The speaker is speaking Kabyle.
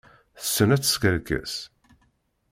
Tessen ad teskerkes.